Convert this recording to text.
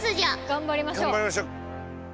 頑張りましょう！